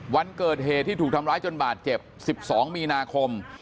วันเกิดเหตุที่ถูกทำร้ายจนบาดเจ็บ๑๒มีนาคม